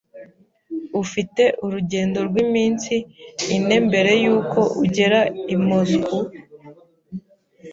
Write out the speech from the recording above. Ufite urugendo rw'iminsi ine mbere yuko ugera i Moscou.